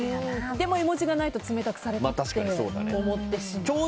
でも絵文字がないと冷たくされたって思ってしまう。